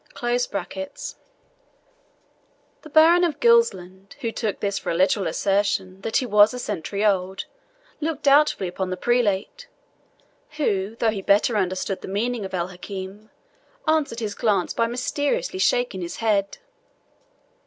] The Baron of Gilsland, who took this for a literal assertion that he was a century old, looked doubtfully upon the prelate, who, though he better understood the meaning of El Hakim, answered his glance by mysteriously shaking his head.